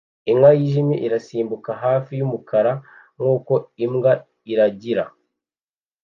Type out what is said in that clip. Inka yijimye irasimbuka hafi yumukara nkuko imbwa iragira